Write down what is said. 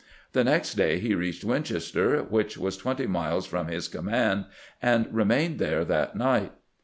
The next day he reached Winchester, which was twenty miles from his command, and remained there that night.